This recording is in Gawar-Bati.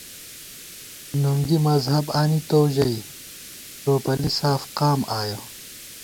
نُنگی مذہب آنِتُو ژَئی ٹوپَلی ساف قام آیَہ